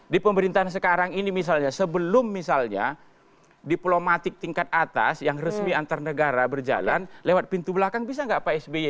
di pemerintahan sekarang ini misalnya sebelum misalnya diplomatik tingkat atas yang resmi antar negara berjalan lewat pintu belakang bisa nggak pak sby